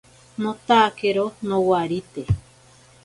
Notakero nowarite.